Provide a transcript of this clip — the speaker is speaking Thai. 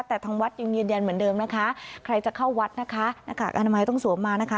แต่ทางวัดยังยืนยันเหมือนเดิมนะคะใครจะเข้าวัดนะคะหน้ากากอนามัยต้องสวมมานะคะ